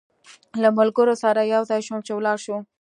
له ملګرو سره یو ځای شوم چې ولاړ شو.